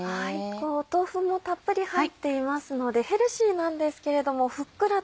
豆腐もたっぷり入っていますのでヘルシーなんですけれどもふっくらと。